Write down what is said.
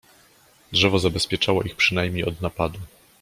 Drzewo zabezpieczało ich przynajmniej od napadu.